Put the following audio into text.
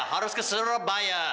harus ke surabaya